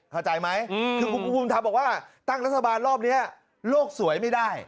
คุณภูมิทำบอกว่าตั้งรัฐบาลรอบนี้โลกสวยไม่ได้